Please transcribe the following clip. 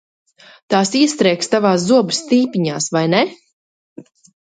Tās iestrēgs tavās zobu stīpiņās, vai ne?